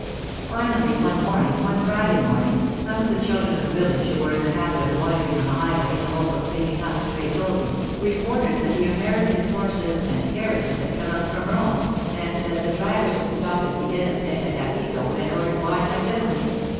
Finally one morning—one Friday morning—some of the children of the village who were in the habit of loitering on the highway in the hope of picking up stray soldi, reported that the American's horses and carriages had come out from Rome, and that the drivers had stopped at the inn of Sant' Agapito and ordered wine like gentlemen.